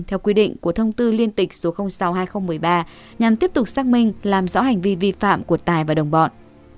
theo quy định của thông tư liên tịch số sáu hai nghìn một mươi ba nhằm tiếp tục xác minh làm rõ hành vi vi phạm của tài và đồng bọn